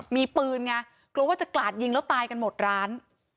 มีปืนไงกลัวว่าจะกลาดยิงแล้วตายกันหมดร้าน